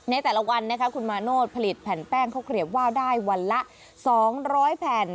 ในแต่ละวันนะคะคุณมาโนธผลิตแผ่นแป้งข้าวเกลียบว่าวได้วันละ๒๐๐แผ่น